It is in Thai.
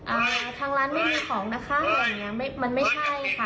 อ่าทางร้านไม่มีของนะคะแบบนี้มันไม่ใช่ค่ะ